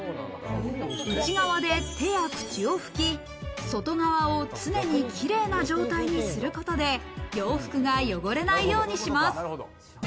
内側で手や口を拭き、外側を常にキレイな状態にすることで洋服が汚れないようにします。